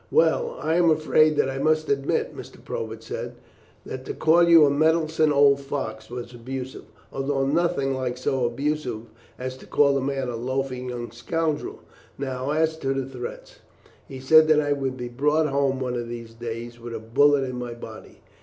"Well, I am afraid that I must admit," Mr. Probert said, "that to call you a meddlesome old fox was abusive, although nothing like so abusive as to call a man a loafing young scoundrel. Now as to the threats." "He said that I would be brought home one of these days with a bullet in my body."